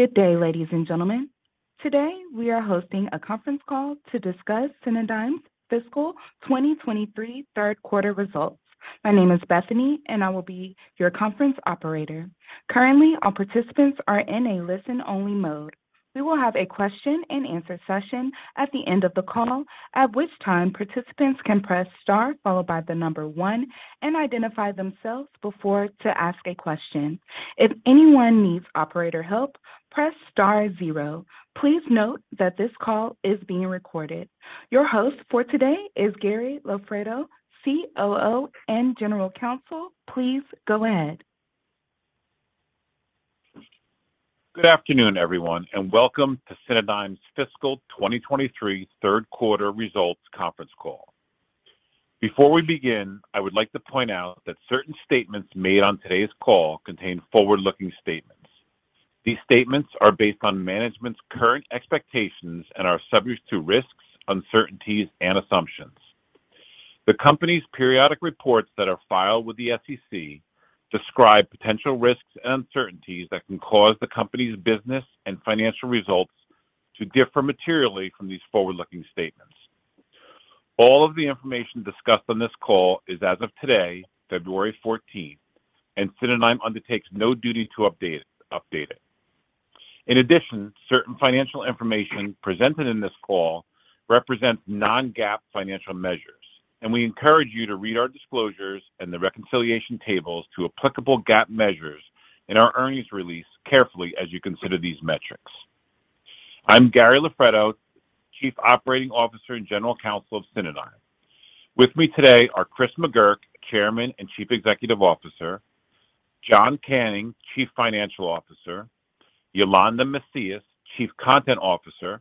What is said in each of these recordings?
Good day, ladies and gentlemen. Today, we are hosting a conference call to discuss Cineverse's Fiscal 2023 Third Quarter Results. My name is Bethany, and I will be your conference operator. Currently, all participants are in a listen-only mode. We will have a question and answer session at the end of the call, at which time participants can press Star followed by 1 and identify themselves before to ask a question. If anyone needs operator help, press Star 0. Please note that this call is being recorded. Your host for today is Gary Loffredo, COO, and General Counsel. Please go ahead. Good afternoon, everyone, and welcome to Cinedigm's Fiscal 2023 Third Quarter Results Conference Call. Before we begin, I would like to point out that certain statements made on today's call contain forward-looking statements. These statements are based on management's current expectations and are subject to risks, uncertainties, and assumptions. The company's periodic reports that are filed with the SEC describe potential risks and uncertainties that can cause the company's business and financial results to differ materially from these forward-looking statements. All of the information discussed on this call is as of today, February 14th, and Cinedigm undertakes no duty to update it. In addition, certain financial information presented in this call represents non-GAAP financial measures, and we encourage you to read our disclosures and the reconciliation tables to applicable GAAP measures in our earnings release carefully as you consider these metrics. I'm Gary Loffredo, Chief Operating Officer and General Counsel of Cineverse. With me today are Chris McGurk, Chairman and Chief Executive Officer, John Canning, Chief Financial Officer, Yolanda Macias, Chief Content Officer,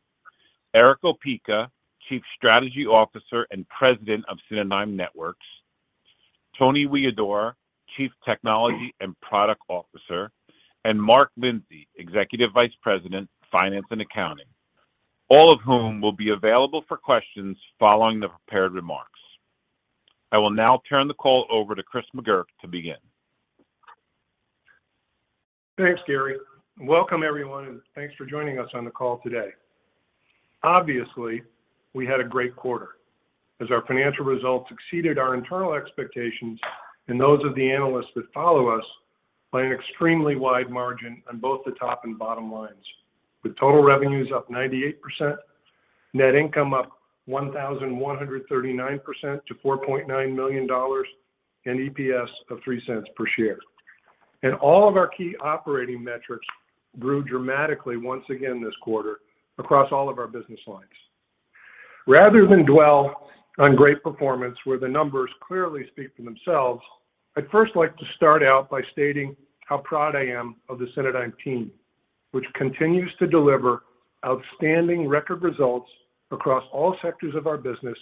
Erick Opeka, Chief Strategy Officer and President of Cinedigm Networks, Tony Huidor, Chief Technology and Product Officer, and Mark Lindsey, Executive Vice President, Finance and Accounting. All of whom will be available for questions following the prepared remarks. I will now turn the call over to Chris McGurk to begin. Thanks, Gary. Welcome, everyone, and thanks for joining us on the call today. Obviously, we had a great quarter as our financial results exceeded our internal expectations and those of the analysts that follow us by an extremely wide margin on both the top and bottom lines, with total revenues up 98%, net income up 1,139% to $4.9 million, and EPS of $0.03 per share. All of our key operating metrics grew dramatically once again this quarter across all of our business lines. Rather than dwell on great performance where the numbers clearly speak for themselves, I'd first like to start out by stating how proud I am of the Cineverse team, which continues to deliver outstanding record results across all sectors of our business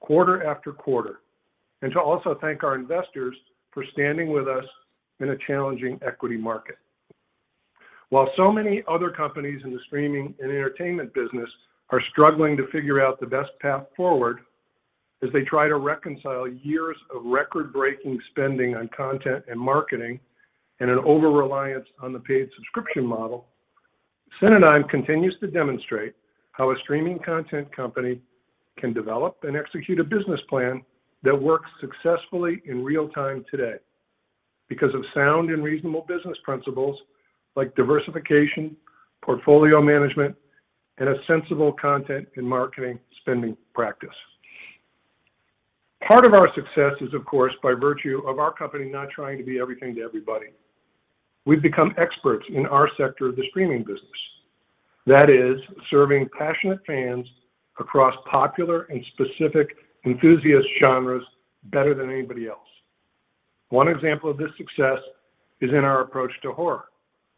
quarter after quarter, and to also thank our investors for standing with us in a challenging equity market. While so many other companies in the streaming and entertainment business are struggling to figure out the best path forward as they try to reconcile years of record-breaking spending on content and marketing and an over-reliance on the paid subscription model, Cineverse continues to demonstrate how a streaming content company can develop and execute a business plan that works successfully in real-time today because of sound and reasonable business principles like diversification, portfolio management, and a sensible content and marketing spending practice. Part of our success is, of course, by virtue of our company not trying to be everything to everybody. We've become experts in our sector of the streaming business, that is, serving passionate fans across popular and specific enthusiast genres better than anybody else. One example of this success is in our approach to horror,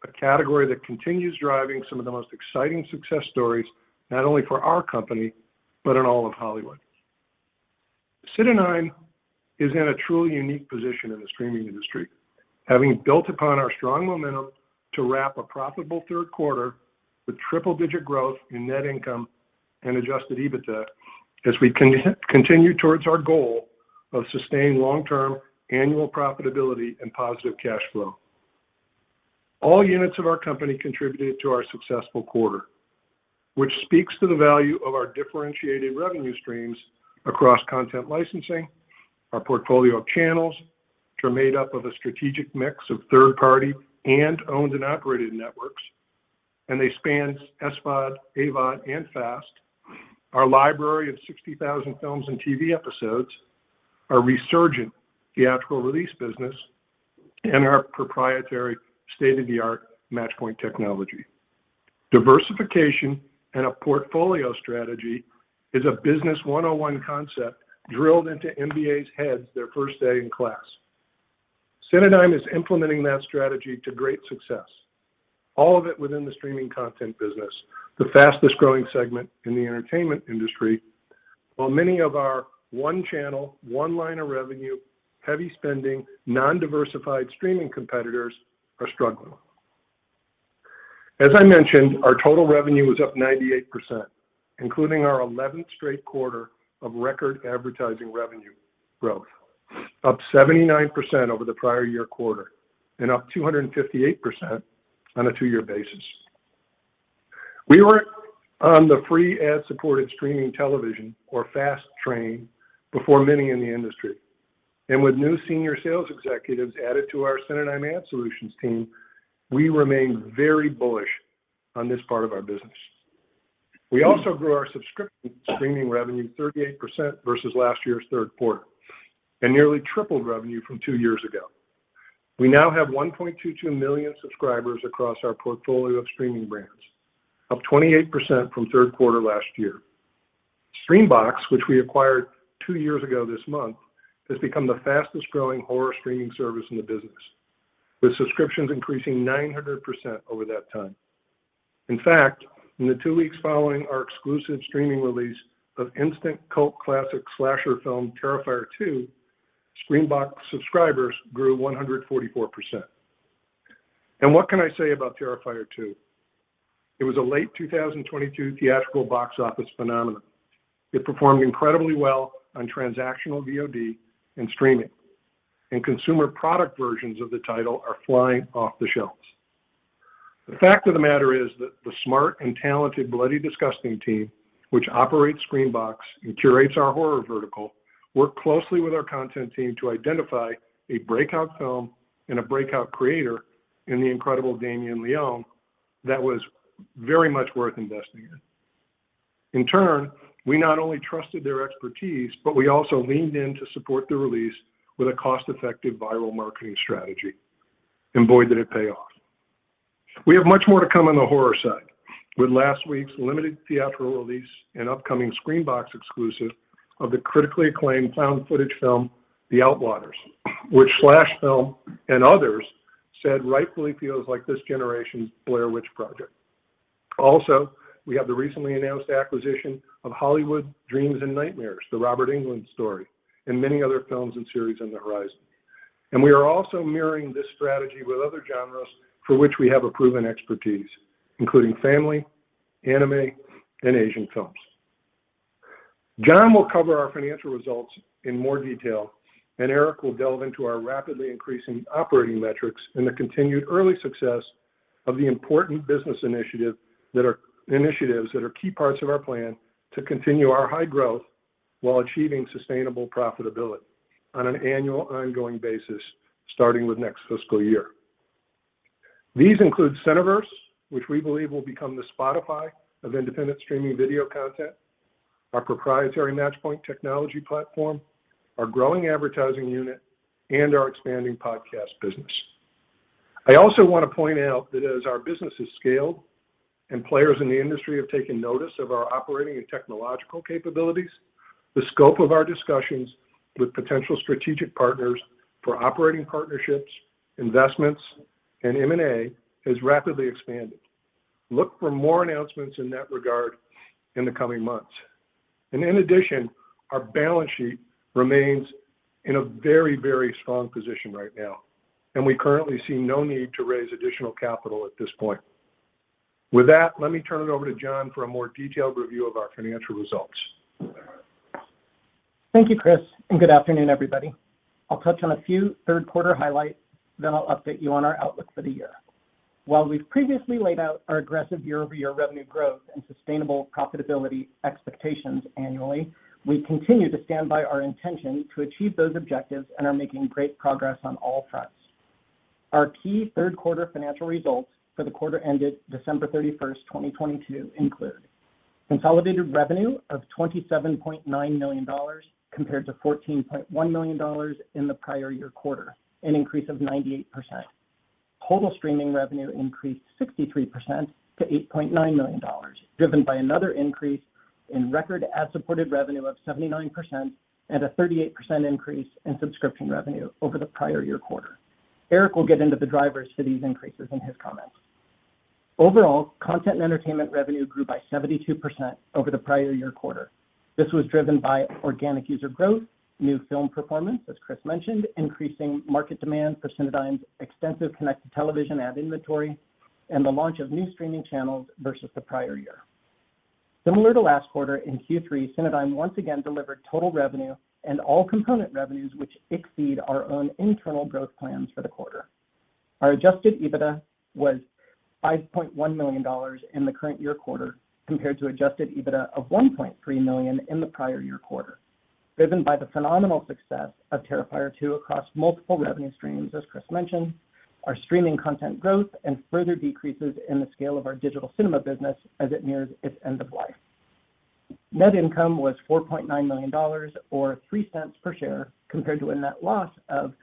a category that continues driving some of the most exciting success stories, not only for our company, but in all of Hollywood. Cineverse is in a truly unique position in the streaming industry, having built upon our strong momentum to wrap a profitable third quarter with triple-digit growth in net income and Adjusted EBITDA as we continue towards our goal of sustained long-term annual profitability and positive cash flow. All units of our company contributed to our successful quarter, which speaks to the value of our differentiated revenue streams across content licensing, our portfolio of channels, which are made up of a strategic mix of third-party and owned and operated networks, and they span SVOD, AVOD, and FAST. Our library of 60,000 films and TV episodes, our resurgent theatrical release business, and our proprietary state-of-the-art Matchpoint technology. Diversification and a portfolio strategy is a business 101 concept drilled into MBAs heads their first day in class. Cineverse is implementing that strategy to great success, all of it within the streaming content business, the fastest-growing segment in the entertainment industry, while many of our one-channel, one line of revenue, heavy spending, non-diversified streaming competitors are struggling. As I mentioned, our total revenue was up 98%, including our 11th straight quarter of record advertising revenue growth. Up 79% over the prior year quarter and up 258% on a 2-year basis. We were on the free ad-supported streaming television or FAST train before many in the industry. With new senior sales executives added to our Cinedigm Ad Solutions team, we remain very bullish on this part of our business. We also grew our subscription streaming revenue 38% versus last year's 3rd quarter, and nearly tripled revenue from two years ago. We now have 1.22 million subscribers across our portfolio of streaming brands, up 28% from 3rd quarter last year. SCREAMBOX, which we acquired two years ago this month, has become the fastest-growing horror streaming service in the business, with subscriptions increasing 900% over that time. In fact, in the two weeks following our exclusive streaming release of instant cult classic slasher film Terrifier 2, SCREAMBOX subscribers grew 144%. What can I say about Terrifier 2? It was a late 2022 theatrical box office phenomenon. It performed incredibly well on transactional VOD and streaming, and consumer product versions of the title are flying off the shelves. The fact of the matter is that the smart and talented Bloody Disgusting team, which operates SCREAMBOX and curates our horror vertical, worked closely with our content team to identify a breakout film and a breakout creator in the incredible Damien Leone that was very much worth investing in. In turn, we not only trusted their expertise, but we also leaned in to support the release with a cost-effective viral marketing strategy. Boy, did it pay off. We have much more to come on the horror side. With last week's limited theatrical release and upcoming SCREAMBOX exclusive of the critically acclaimed found footage film The Outwaters, which /Film and others said rightfully feels like this generation's The Blair Witch Project. We have the recently announced acquisition of Hollywood Dreams & Nightmares: The Robert Englund Story, and many other films and series on the horizon. We are also mirroring this strategy with other genres for which we have a proven expertise, including family, anime, and Asian films. John will cover our financial results in more detail, and Eric will delve into our rapidly increasing operating metrics and the continued early success of the important business initiatives that are key parts of our plan to continue our high growth while achieving sustainable profitability on an annual and ongoing basis, starting with next fiscal year. These include Cineverse, which we believe will become the Spotify of independent streaming video content, our proprietary Matchpoint technology platform, our growing advertising unit, and our expanding podcast business. I also want to point out that as our business has scaled and players in the industry have taken notice of our operating and technological capabilities, the scope of our discussions with potential strategic partners for operating partnerships, investments, and M&A has rapidly expanded. Look for more announcements in that regard in the coming months. In addition, our balance sheet remains in a very, very strong position right now, and we currently see no need to raise additional capital at this point. With that, let me turn it over to John for a more detailed review of our financial results. Thank you, Chris. Good afternoon, everybody. I'll touch on a few third-quarter highlights. I'll update you on our outlook for the year. While we've previously laid out our aggressive year-over-year revenue growth and sustainable profitability expectations annually, we continue to stand by our intention to achieve those objectives and are making great progress on all fronts. Our key third-quarter financial results for the quarter ended December 31, 2022 include consolidated revenue of $27.9 million compared to $14.1 million in the prior year quarter, an increase of 98%. Total streaming revenue increased 63% to $8.9 million, driven by another increase in record ad-supported revenue of 79% and a 38% increase in subscription revenue over the prior year quarter. Erick will get into the drivers for these increases in his comments. Overall, content and entertainment revenue grew by 72% over the prior year quarter. This was driven by organic user growth, new film performance, as Chris mentioned, increasing market demand for Cinedigm's extensive connected television ad inventory, and the launch of new streaming channels versus the prior year. Similar to last quarter, in Q3, Cinedigm once again delivered total revenue and all component revenues which exceed our own internal growth plans for the quarter. Our Adjusted EBITDA was $5.1 million in the current year quarter compared to Adjusted EBITDA of $1.3 million in the prior year quarter, driven by the phenomenal success of Terrifier 2 across multiple revenue streams, as Chris mentioned, our streaming content growth and further decreases in the scale of our digital cinema business as it nears its end of life. Net income was $4.9 million or $0.03 per share compared to a net loss of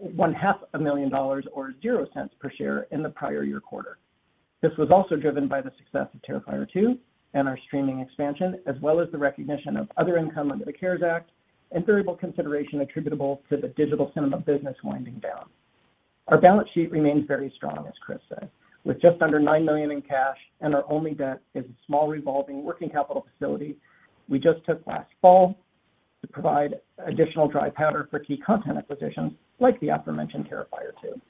one half a million dollars or $0.00 per share in the prior year quarter. This was also driven by the success of Terrifier 2 and our streaming expansion as well as the recognition of other income under the CARES Act and variable consideration attributable to the digital cinema business winding down. Our balance sheet remains very strong, as Chris said, with just under $9 million in cash and our only debt is a small revolving working capital facility we just took last fall to provide additional dry powder for key content acquisitions like the aforementioned Terrifier 2.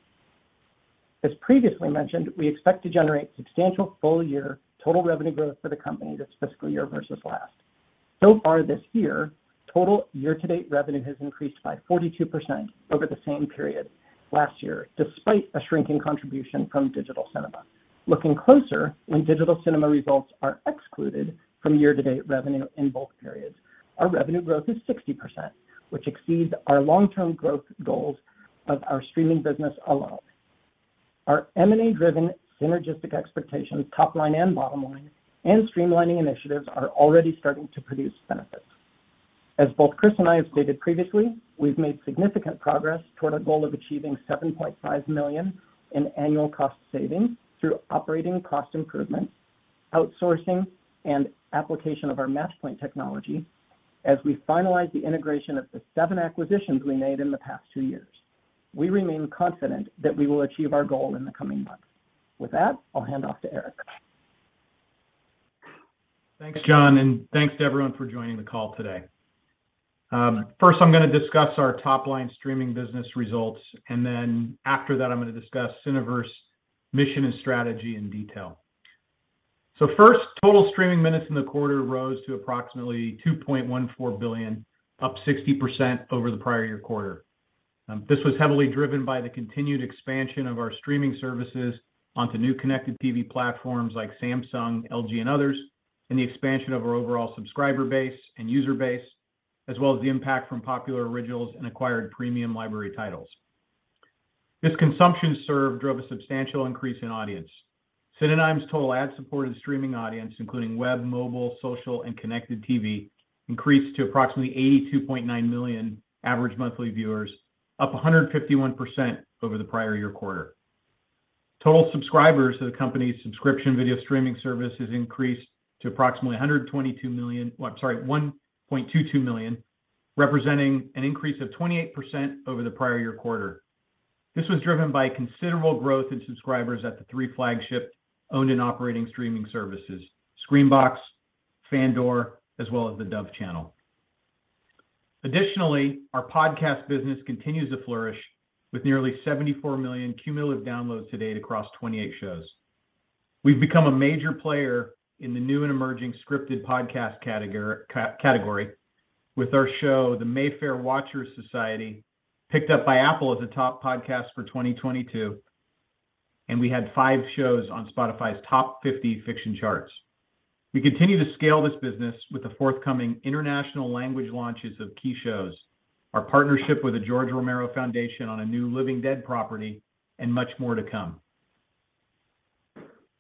As previously mentioned, we expect to generate substantial full year total revenue growth for the company this fiscal year versus last. Far this year, total year-to-date revenue has increased by 42% over the same period last year, despite a shrinking contribution from digital cinema. Looking closer, when digital cinema results are excluded from year-to-date revenue in both periods, our revenue growth is 60%, which exceeds our long-term growth goals of our streaming business alone. Our M&A driven synergistic expectations, top line and bottom line and streamlining initiatives are already starting to produce benefits. As both Chris and I have stated previously, we've made significant progress toward our goal of achieving $7.5 million in annual cost savings through operating cost improvements, outsourcing, and application of our MatchPoint technology as we finalize the integration of the seven acquisitions we made in the past two years. We remain confident that we will achieve our goal in the coming months. I'll hand off to Erick. Thanks, John, and thanks to everyone for joining the call today. First I'm gonna discuss our top line streaming business results, and then after that, I'm gonna discuss Cineverse mission and strategy in detail. First, total streaming minutes in the quarter rose to approximately 2.14 billion, up 60% over the prior year quarter. This was heavily driven by the continued expansion of our streaming services onto new connected TV platforms like Samsung, LG, and others, and the expansion of our overall subscriber base and user base, as well as the impact from popular originals and acquired premium library titles. This consumption served drove a substantial increase in audience. Cineverse's total ad-supported streaming audience, including web, mobile, social, and connected TV, increased to approximately 82.9 million average monthly viewers, up 151% over the prior year quarter. Total subscribers to the company's subscription video streaming service has increased to approximately 122 million, I'm sorry, 1.22 million, representing an increase of 28% over the prior year quarter. This was driven by considerable growth in subscribers at the three flagship owned and operating streaming services, SCREAMBOX, Fandor, as well as the Dove Channel. Additionally, our podcast business continues to flourish with nearly 74 million cumulative downloads to date across 28 shows. We've become a major player in the new and emerging scripted podcast category with our show, The Mayfair Watchers Society, picked up by Apple as a top podcast for 2022, and we had five shows on Spotify's top 50 fiction charts. We continue to scale this business with the forthcoming international language launches of key shows, our partnership with the George A. Romero Foundation on a new Living Dead property, and much more to come.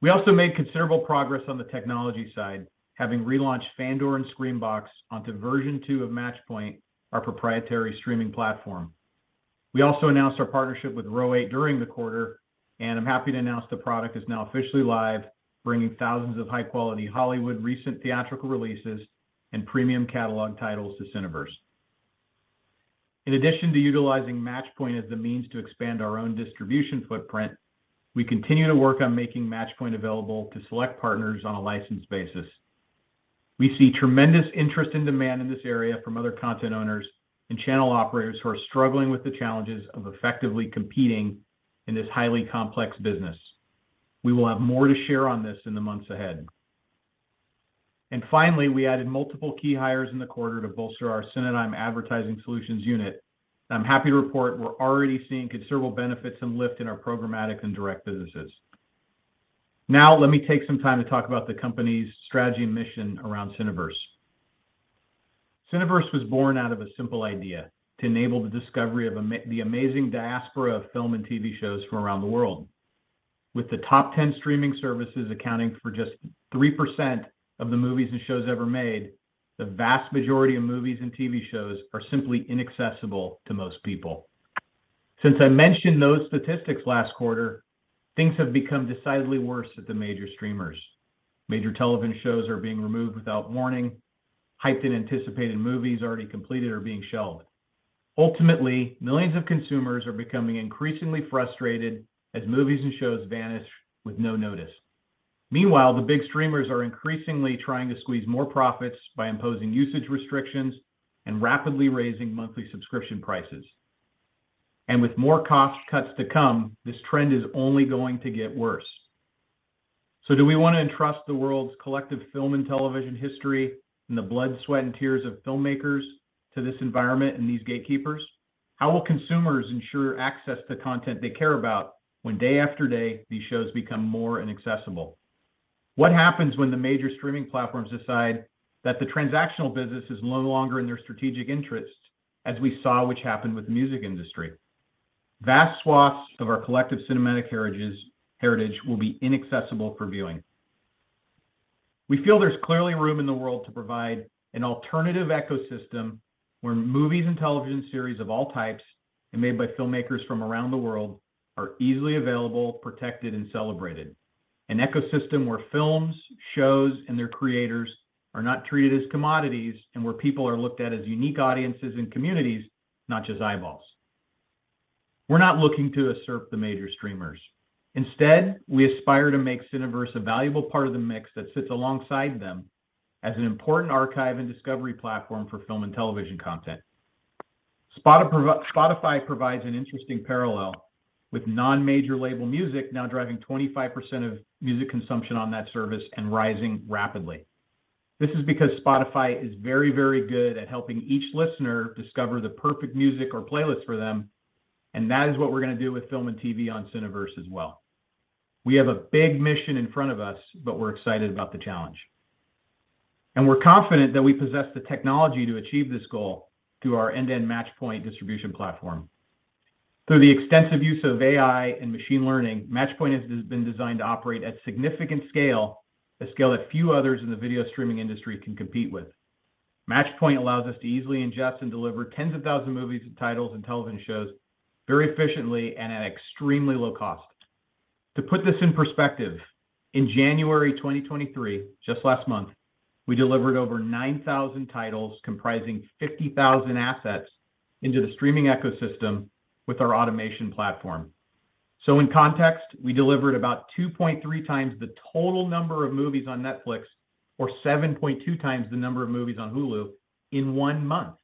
We also made considerable progress on the technology side, having relaunched Fandor and SCREAMBOX onto version two of Matchpoint, our proprietary streaming platform. We also announced our partnership with Row8 during the quarter, and I'm happy to announce the product is now officially live, bringing thousands of high-quality Hollywood recent theatrical releases and premium catalog titles to Cineverse. In addition to utilizing Matchpoint as the means to expand our own distribution footprint, we continue to work on making Matchpoint available to select partners on a license basis. We see tremendous interest and demand in this area from other content owners and channel operators who are struggling with the challenges of effectively competing in this highly complex business. We will have more to share on this in the months ahead. Finally, we added multiple key hires in the quarter to bolster our Cinedigm Advertising Solutions unit, and I'm happy to report we're already seeing considerable benefits and lift in our programmatic and direct businesses. Let me take some time to talk about the company's strategy and mission around Cineverse. Cineverse was born out of a simple idea: to enable the discovery of the amazing diaspora of film and TV shows from around the world. With the top 10 streaming services accounting for just 3% of the movies and shows ever made, the vast majority of movies and TV shows are simply inaccessible to most people. Since I mentioned those statistics last quarter, things have become decidedly worse at the major streamers. Major television shows are being removed without warning. Hyped and anticipated movies already completed are being shelved. Ultimately, millions of consumers are becoming increasingly frustrated as movies and shows vanish with no notice. The big streamers are increasingly trying to squeeze more profits by imposing usage restrictions and rapidly raising monthly subscription prices. With more cost cuts to come, this trend is only going to get worse. Do we wanna entrust the world's collective film and television history and the blood, sweat, and tears of filmmakers to this environment and these gatekeepers? How will consumers ensure access to content they care about when day after day these shows become more inaccessible? What happens when the major streaming platforms decide that the transactional business is no longer in their strategic interest, as we saw which happened with the music industry? Vast swaths of our collective cinematic heritage will be inaccessible for viewing. We feel there's clearly room in the world to provide an alternative ecosystem where movies and television series of all types and made by filmmakers from around the world are easily available, protected, and celebrated. An ecosystem where films, shows, and their creators are not treated as commodities and where people are looked at as unique audiences and communities, not just eyeballs. We're not looking to usurp the major streamers. Instead, we aspire to make Cineverse a valuable part of the mix that sits alongside them as an important archive and discovery platform for film and television content. Spotify provides an interesting parallel, with non-major label music now driving 25% of music consumption on that service and rising rapidly. This is because Spotify is very, very good at helping each listener discover the perfect music or playlist for them. That is what we're gonna do with film and TV on Cineverse as well. We have a big mission in front of us. We're excited about the challenge. We're confident that we possess the technology to achieve this goal through our end-to-end Matchpoint distribution platform. Through the extensive use of AI and machine learning, Matchpoint has been designed to operate at significant scale, a scale that few others in the video streaming industry can compete with. Matchpoint allows us to easily ingest and deliver tens of thousands of movies and titles and television shows very efficiently and at extremely low cost. To put this in perspective, in January 2023, just last month, we delivered over 9,000 titles comprising 50,000 assets into the streaming ecosystem with our automation platform. In context, we delivered about 2.3 times the total number of movies on Netflix or 7.2 times the number of movies on Hulu in 1 month.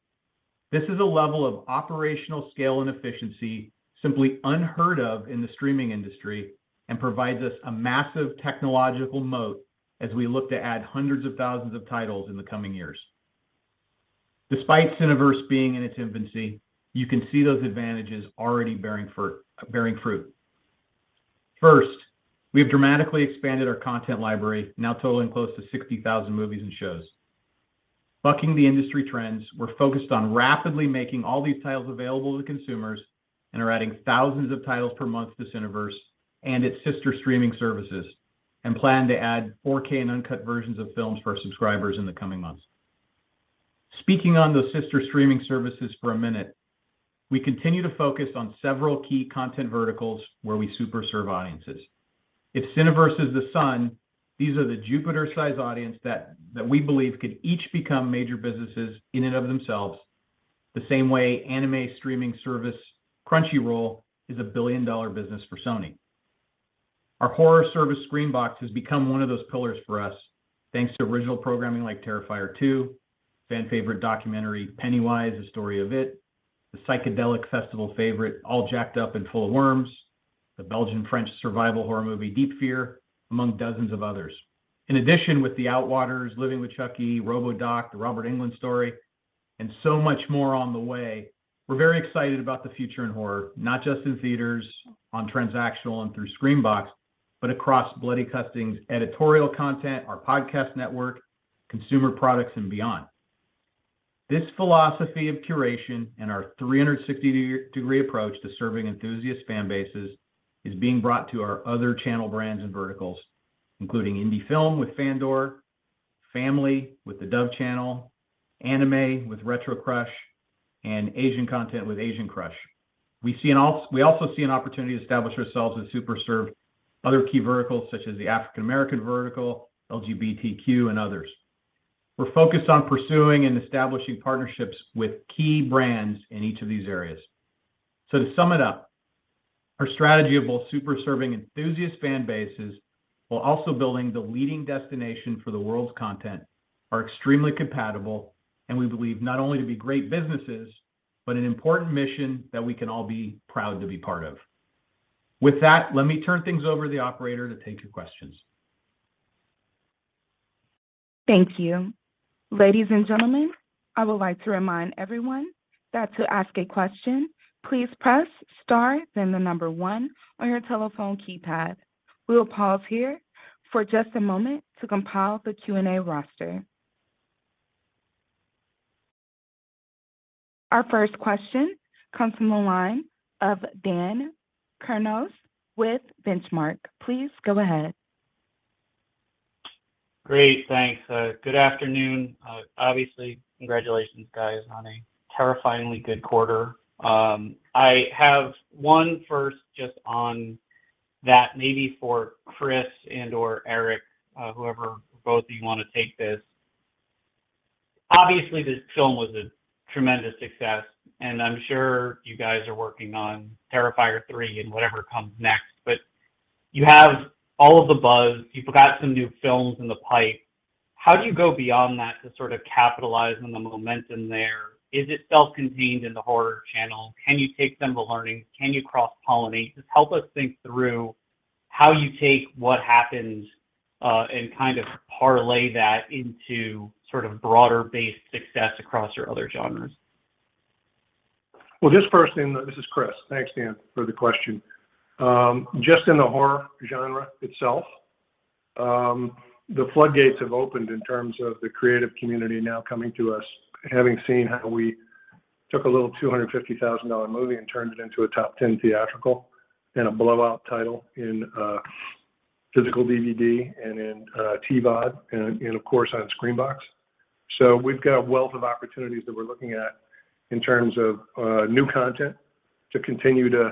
This is a level of operational scale and efficiency simply unheard of in the streaming industry and provides us a massive technological moat as we look to add hundreds of thousands of titles in the coming years. Despite Cineverse being in its infancy, you can see those advantages already bearing fruit. First, we have dramatically expanded our content library, now totaling close to 60,000 movies and shows. Bucking the industry trends, we're focused on rapidly making all these titles available to consumers and are adding thousands of titles per month to Cineverse and its sister streaming services, and plan to add 4K and uncut versions of films for our subscribers in the coming months. Speaking on those sister streaming services for a minute, we continue to focus on several key content verticals where we super serve audiences. If Cineverse is the sun, these are the Jupiter-sized audience that we believe could each become major businesses in and of themselves, the same way anime streaming service Crunchyroll is a billion-dollar business for Sony. Our horror service, SCREAMBOX, has become one of those pillars for us, thanks to original programming like Terrifier 2, fan favorite documentary Pennywise: The Story of IT, the psychedelic festival favorite All Jacked Up and Full of Worms, the Belgian-French survival horror movie Deep Fear, among dozens of others. In addition, with The Outwaters, Living with Chucky, RoboDoc: The Robert Englund Story, and so much more on the way, we're very excited about the future in horror, not just in theaters, on transactional, and through SCREAMBOX, but across Bloody Disgusting's editorial content, our podcast network, consumer products, and beyond. This philosophy of curation and our 360-degree approach to serving enthusiast fan bases is being brought to our other channel brands and verticals, including indie film with Fandor, family with The Dove Channel, anime with RetroCrush, and Asian content with AsianCrush. We also see an opportunity to establish ourselves and super serve other key verticals, such as the African American vertical, LGBTQ, and others. We're focused on pursuing and establishing partnerships with key brands in each of these areas. To sum it up, our strategy of both super serving enthusiast fan bases while also building the leading destination for the world's content are extremely compatible, and we believe not only to be great businesses, but an important mission that we can all be proud to be part of. With that, let me turn things over to the operator to take your questions. Thank you. Ladies and gentlemen, I would like to remind everyone that to ask a question, please press star then the number one on your telephone keypad. We will pause here for just a moment to compile the Q&A roster. Our first question comes from the line of Dan Kurnos with Benchmark. Please go ahead. Great. Thanks. good afternoon. obviously, congratulations, guys, on a terrifyingly good quarter. I have one first just on that maybe for Chris and/or Eric, whoever, both of you wanna take this. Obviously, this film was a tremendous success, and I'm sure you guys are working on Terrifier 3 and whatever comes next. You have all of the buzz, you've got some new films in the pipe. How do you go beyond that to sort of capitalize on the momentum there? Is it self-contained in the horror channel? Can you take some of the learnings? Can you cross-pollinate? Just help us think through how you take what happened, and kind of parlay that into sort of broader-based success across your other genres. Well, just first, and this is Chris. Thanks, Dan, for the question. Just in the horror genre itself, the floodgates have opened in terms of the creative community now coming to us, having seen how we took a little $250,000 movie and turned it into a top 10 theatrical and a blowout title in physical DVD and in TVOD, and of course on SCREAMBOX. We've got a wealth of opportunities that we're looking at in terms of new content to continue to,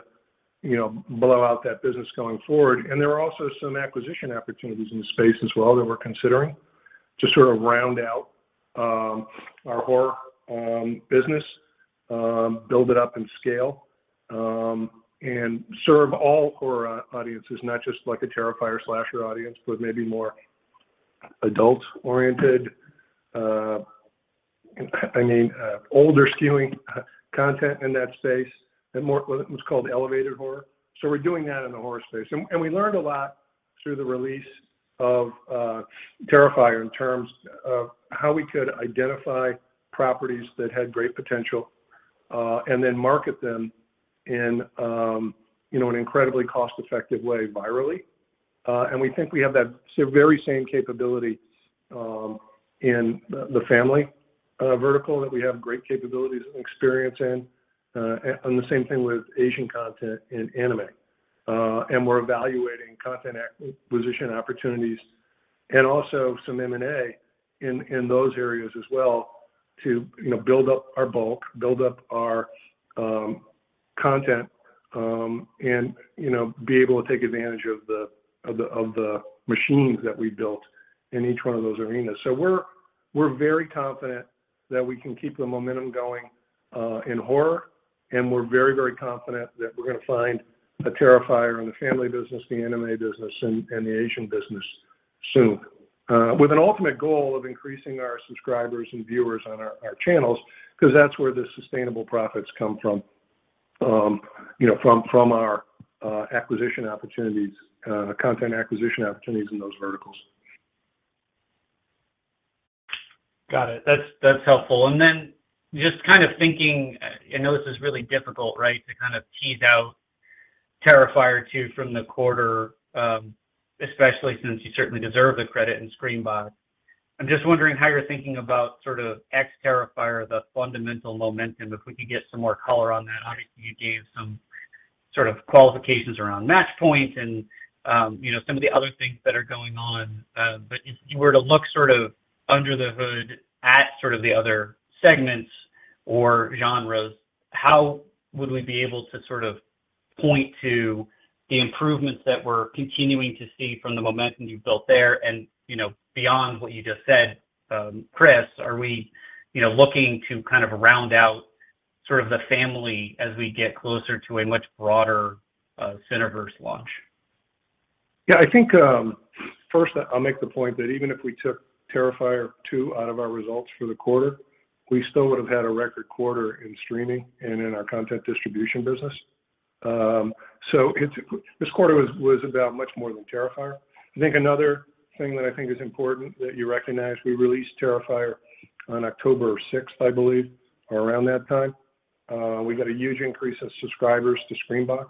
you know, blow out that business going forward. There are also some acquisition opportunities in the space as well that we're considering to sort of round out our horror business, build it up in scale, and serve all horror audiences, not just like a Terrifier slasher audience, but maybe more adult-oriented, I mean, older-skewing content in that space and what's called elevated horror. We're doing that in the horror space. We learned a lot through the release of Terrifier in terms of how we could identify properties that had great potential, and then market them in, you know, an incredibly cost-effective way virally. We think we have that very same capability in the family vertical that we have great capabilities and experience in. The same thing with Asian content and anime. We're evaluating content acquisition opportunities and also some M&A in those areas as well to, you know, build up our bulk, build up our content, and, you know, be able to take advantage of the machines that we built in each one of those arenas. We're very confident that we can keep the momentum going in horror, and we're very confident that we're gonna find a Terrifier in the family business, the anime business and the Asian business soon. With an ultimate goal of increasing our subscribers and viewers on our channels, because that's where the sustainable profits come from, you know, from our acquisition opportunities, content acquisition opportunities in those verticals. Got it. That's, that's helpful. Just kind of thinking, I know this is really difficult, right? To kind of tease out Terrifier 2 from the quarter, especially since you certainly deserve the credit in SCREAMBOX. I'm just wondering how you're thinking about sort of ex-Terrifier, the fundamental momentum, if we could get some more color on that. Obviously, you gave some sort of qualifications around Matchpoint and, you know, some of the other things that are going on. If you were to look sort of under the hood at sort of the other segments or genres, how would we be able to sort of point to the improvements that we're continuing to see from the momentum you've built there? you know, beyond what you just said, Chris, are we, you know, looking to kind of round out sort of the family as we get closer to a much broader, Cineverse launch? I think, first I'll make the point that even if we took Terrifier two out of our results for the quarter, we still would've had a record quarter in streaming and in our content distribution business. This quarter was about much more than Terrifier. I think another thing that I think is important that you recognize, we released Terrifier on October sixth, I believe, or around that time. We got a huge increase in subscribers to SCREAMBOX.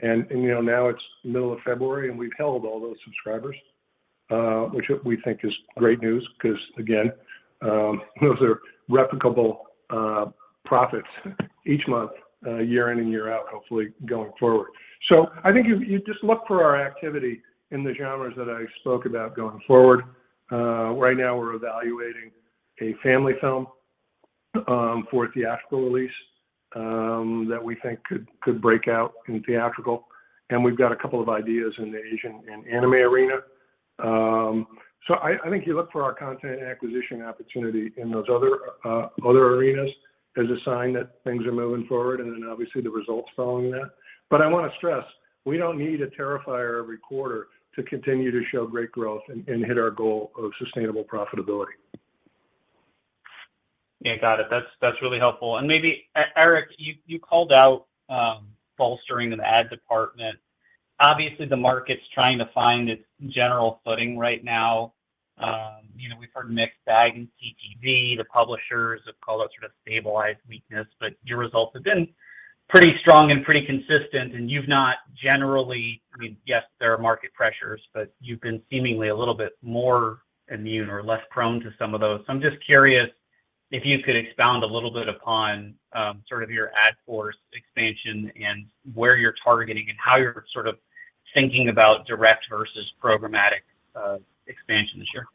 And, you know, now it's the middle of February, and we've held all those subscribers, which we think is great news because, again, those are replicable, profits each month, year in and year out, hopefully, going forward. I think if you just look for our activity in the genres that I spoke about going forward. Right now we're evaluating a family film for a theatrical release that we think could break out in theatrical. We've got a couple of ideas in the Asian and anime arena. I think you look for our content acquisition opportunity in those other arenas as a sign that things are moving forward. Then obviously the results following that. I wanna stress, we don't need a Terrifier every quarter to continue to show great growth and hit our goal of sustainable profitability. Yeah. Got it. That's really helpful. Maybe Erick, you called out bolstering of the ad department. Obviously, the market's trying to find its general footing right now. You know, we've heard mixed bag in TTV. The publishers have called out sort of stabilized weakness, but your results have been pretty strong and pretty consistent. I mean, yes, there are market pressures, but you've been seemingly a little bit more immune or less prone to some of those. I'm just curious if you could expound a little bit upon sort of your ad force expansion and where you're targeting and how you're sort of thinking about direct versus programmatic expansion this year?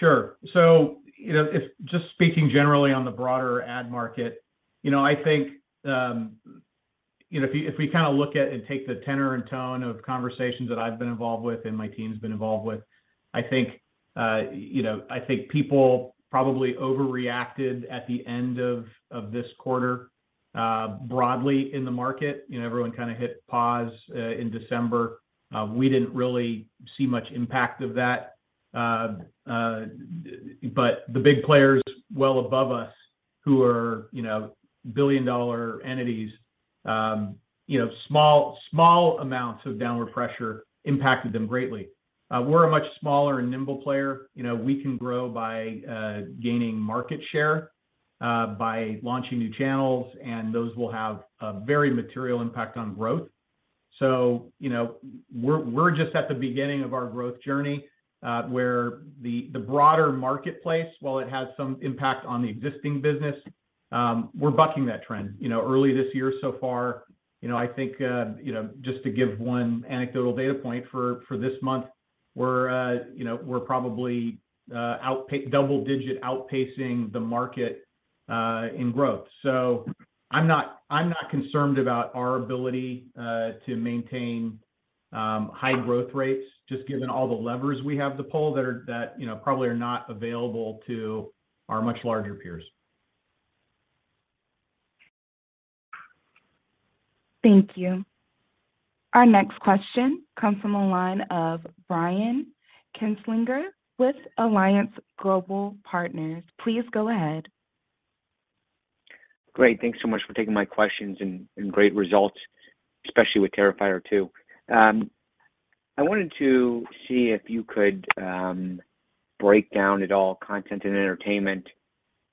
Sure. You know, just speaking generally on the broader ad market, you know, I think, you know, if we kinda look at and take the tenor and tone of conversations that I've been involved with and my team's been involved with, I think, you know, I think people probably overreacted at the end of this quarter, broadly in the market. You know, everyone kinda hit pause in December. We didn't really see much impact of that. The big players well above us who are, you know, billion-dollar entities, you know, small amounts of downward pressure impacted them greatly. We're a much smaller and nimble player. You know, we can grow by gaining market share, by launching new channels, and those will have a very material impact on growth. You know, we're just at the beginning of our growth journey, where the broader marketplace, while it has some impact on the existing business, we're bucking that trend. You know, early this year so far, you know, I think, you know, just to give 1 anecdotal data point for this month, we're, you know, we're probably double-digit outpacing the market, in growth. I'm not concerned about our ability to maintain high growth rates, just given all the levers we have to pull that, you know, probably are not available to our much larger peers. Thank you. Our next question comes from the line of Brian Kinstlinger with Alliance Global Partners. Please go ahead. Great. Thanks so much for taking my questions and great results, especially with Terrifier 2. I wanted to see if you could break down at all content and entertainment.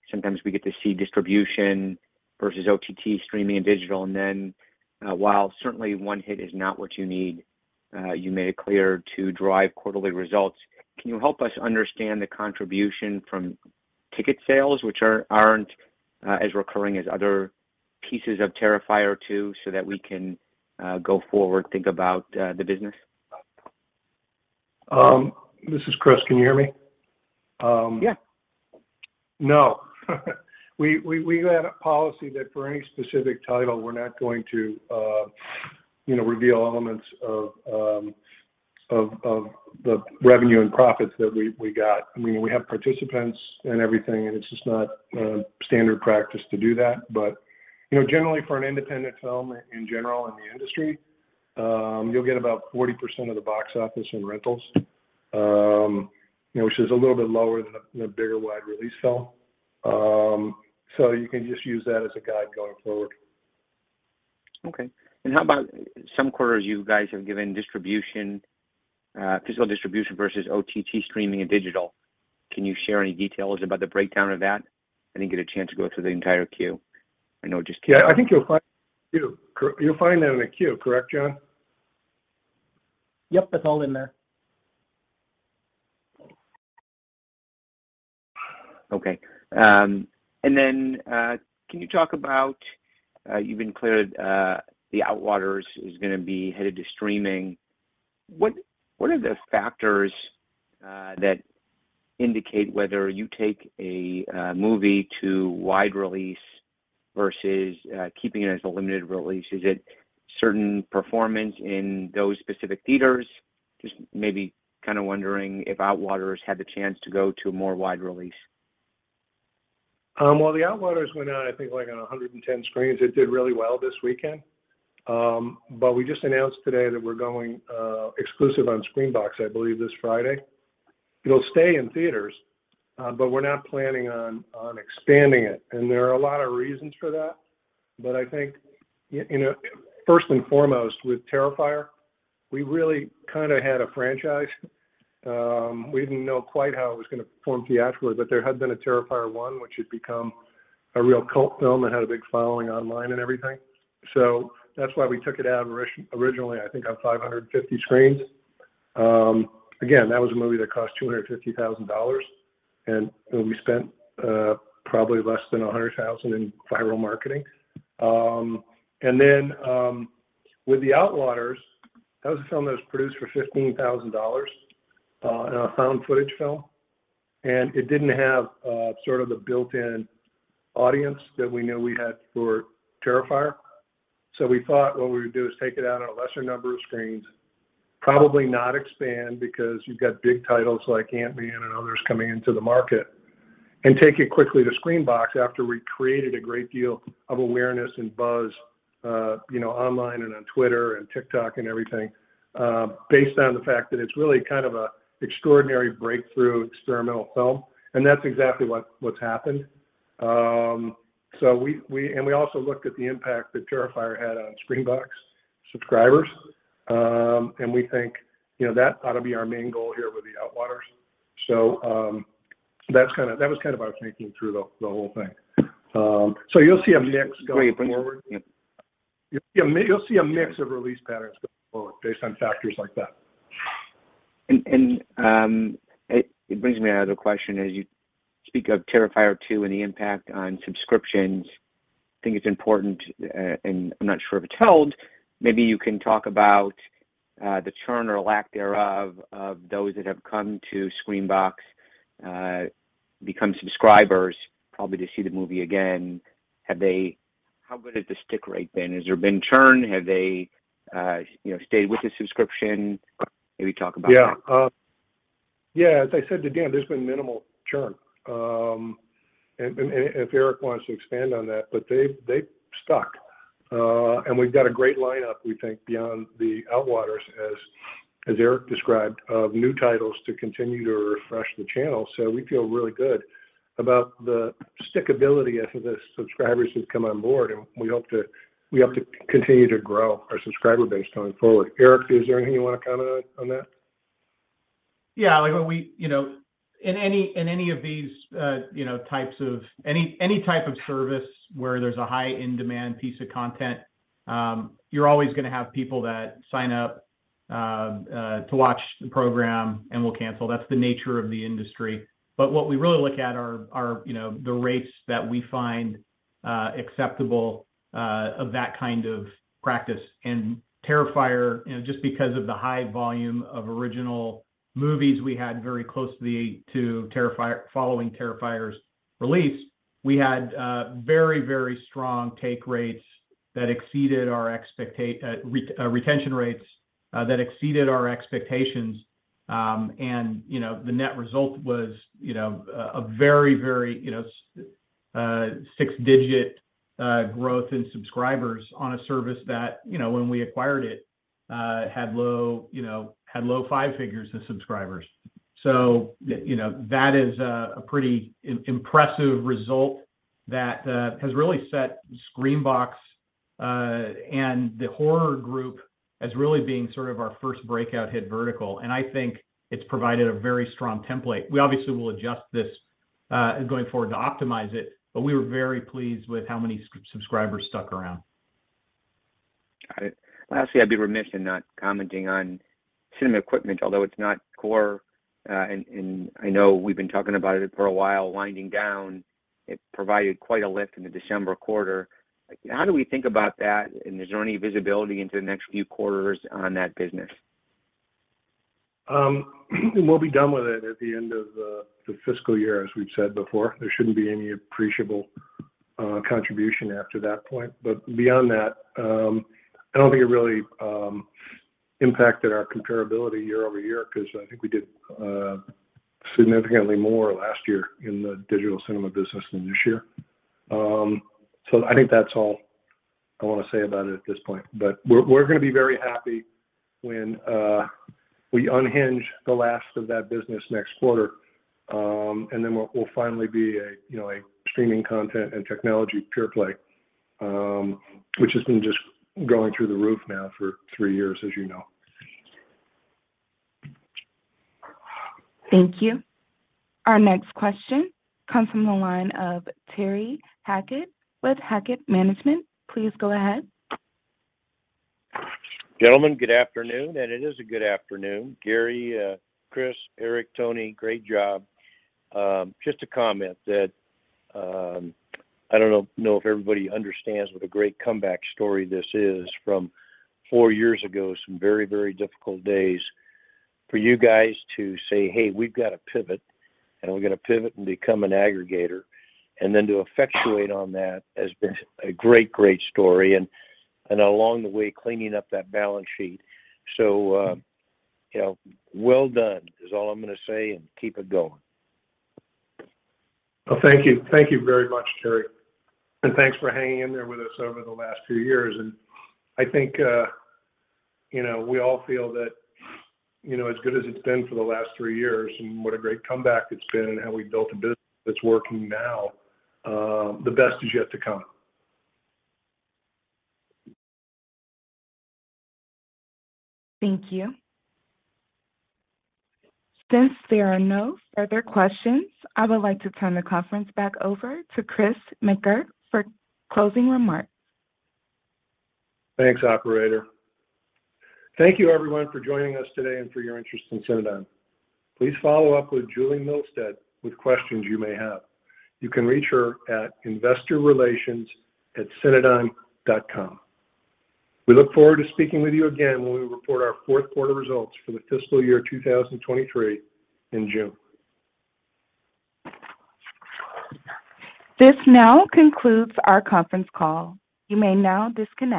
Sometimes we get to see distribution versus OTT streaming and digital, then while certainly one hit is not what you need, you made it clear to drive quarterly results. Can you help us understand the contribution from ticket sales, which aren't as recurring as other pieces of Terrifier 2 that we can go forward, think about the business? This is Chris. Can you hear me? Yeah. No. We have a policy that for any specific title, we're not going to, you know, reveal elements of the revenue and profits that we got. I mean, we have participants and everything, and it's just not standard practice to do that. You know, generally for an independent film in general in the industry, you'll get about 40% of the box office in rentals, you know, which is a little bit lower than a bigger wide release film. You can just use that as a guide going forward. Okay. How about some quarters you guys have given distribution, physical distribution versus OTT streaming and digital? Can you share any details about the breakdown of that? I didn't get a chance to go through the entire queue. I know it just came out. Yeah, I think you'll find You'll find that in the queue, correct, John? Yep, it's all in there. Okay. Can you talk about you've been clear, The Outwaters is gonna be headed to streaming. What are the factors that indicate whether you take a movie to wide release versus keeping it as a limited release? Is it certain performance in those specific theaters? Just maybe kinda wondering if The Outwaters had the chance to go to a more wide release. Well, The Outwaters went out, I think, like, on 110 screens. It did really well this weekend. We just announced today that we're going exclusive on SCREAMBOX, I believe, this Friday. It'll stay in theaters, but we're not planning on expanding it, and there are a lot of reasons for that. I think, you know, first and foremost, with Terrifier, we really kinda had a franchise. We didn't know quite how it was gonna perform theatrically, but there had been a Terrifier 1, which had become a real cult film that had a big following online and everything. That's why we took it out originally, I think, on 550 screens. Again, that was a movie that cost $250,000, and, you know, we spent probably less than $100,000 in viral marketing. With The Outwaters, that was a film that was produced for $15,000 in a found footage film, and it didn't have sort of the built-in audience that we knew we had for Terrifier. We thought what we would do is take it out on a lesser number of screens, probably not expand because you've got big titles like Ant-Man and others coming into the market, and take it quickly to SCREAMBOX after we created a great deal of awareness and buzz, you know, online and on Twitter and TikTok and everything, based on the fact that it's really kind of a extraordinary breakthrough experimental film, and that's exactly what's happened. We and we also looked at the impact that Terrifier had on SCREAMBOX subscribers, and we think, you know, that ought to be our main goal here with The Outwaters. That was kind of our thinking through the whole thing. You'll see a mix going forward. Wait. You'll see a mix of release patterns going forward based on factors like that. It brings me to another question. As you speak of Terrifier 2 and the impact on subscriptions, I think it's important, and I'm not sure if it's held, maybe you can talk about the churn or lack thereof of those that have come to SCREAMBOX, become subscribers probably to see the movie again. How good has the stick rate been? Has there been churn? Have they, you know, stayed with the subscription? Maybe talk about that. As I said to Dan, there's been minimal churn. If Eric wants to expand on that, they've stuck. We've got a great lineup, we think, beyond The Outwaters as Eric described, of new titles to continue to refresh the channel. We feel really good about the stickability of the subscribers who've come on board, and we hope to continue to grow our subscriber base going forward. Eric, is there anything you wanna comment on that? Yeah. Like, when we, you know, in any of these, you know, any type of service where there's a high in-demand piece of content, you're always gonna have people that sign up to watch the program and will cancel. That's the nature of the industry. What we really look at are, you know, the rates that we find acceptable of that kind of practice. Terrifier, you know, just because of the high volume of original movies we had very close to following Terrifier's release, we had very strong take rates that exceeded our expecta. Retention rates that exceeded our expectations. You know, the net result was, you know, a very, very, you know, 6-digit growth in subscribers on a service that, you know, when we acquired it, had low 5 figures in subscribers. You know, that is a pretty impressive result that has really set SCREAMBOX and the horror group as really being sort of our first breakout hit vertical. I think it's provided a very strong template. We obviously will adjust this going forward to optimize it, but we were very pleased with how many subscribers stuck around. Got it. Lastly, I'd be remiss in not commenting on cinema equipment, although it's not core. I know we've been talking about it for a while, winding down. It provided quite a lift in the December quarter. Like, how do we think about that, and is there any visibility into the next few quarters on that business? We'll be done with it at the end of the fiscal year, as we've said before. There shouldn't be any appreciable contribution after that point. Beyond that, I don't think it really impacted our comparability year-over-year, 'cause I think we did significantly more last year in the digital cinema business than this year. I think that's all I wanna say about it at this point. We're gonna be very happy when we unhinge the last of that business next quarter. We'll finally be a, you know, a streaming content and technology pure play, which has been just going through the roof now for three years, as you know. Thank you. Our next question comes from the line of Terry Hackett with Hackett Management. Please go ahead. Gentlemen, good afternoon. It is a good afternoon. Gary, Chris, Eric, Tony, great job. Just to comment that I don't know if everybody understands what a great comeback story this is from 4 years ago, some very, very difficult days for you guys to say, "Hey, we've gotta pivot, and we're gonna pivot and become an aggregator." Then to effectuate on that has been a great story and along the way, cleaning up that balance sheet. You know, well done is all I'm gonna say, and keep it going. Well, thank you. Thank you very much, Terry. Thanks for hanging in there with us over the last few years. I think, you know, we all feel that, you know, as good as it's been for the last 3 years and what a great comeback it's been and how we've built a business that's working now, the best is yet to come. Thank you. Since there are no further questions, I would like to turn the conference back over to Chris McGurk for closing remarks. Thanks, operator. Thank you everyone for joining us today and for your interest in Cinedigm. Please follow up with Julie Milstead with questions you may have. You can reach her at investorrelations@cineverse.com. We look forward to speaking with you again when we report our fourth quarter results for the fiscal year 2023 in June. This now concludes our conference call. You may now disconnect.